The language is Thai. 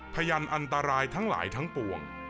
พยานอันตรายทั้งหลายทั้งปวง